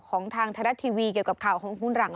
ของทางไทยรัฐทีวีเกี่ยวกับข่าวของคุณหลัง